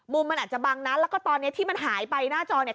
มันอาจจะบังนัดแล้วก็ตอนนี้ที่มันหายไปหน้าจอเนี่ย